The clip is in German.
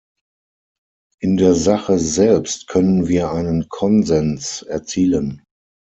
In der Sache selbst können wir einen Konsens erzielen.